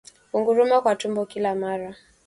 Kunguruma kwa tumbo kila mara